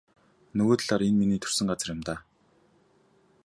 Нөгөө талаар энэ нь миний төрсөн газар юм даа.